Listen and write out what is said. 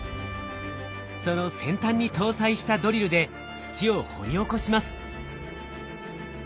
その先端に搭載したドリルで土を掘り起こします。